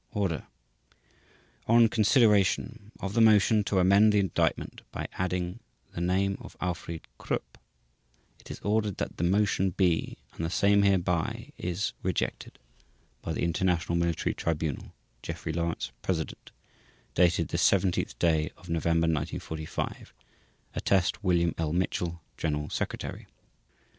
ORDER ON CONSIDERATION of the motion to amend the indictment by adding the name of Alfried Krupp; IT IS ORDERED that the motion be, and the same hereby is, rejected. BY THE INTERNATIONAL MILITARY TRIBUNAL /s/ GEOFFREY LAWRENCE President. Dated this 17th day of November, 1945. ATTEST: /s/ WILLIAM L. MITCHELL General Secretary.